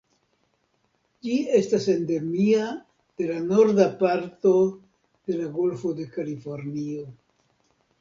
Ĝi estas endemia de la norda parto de la Golfo de Kalifornio.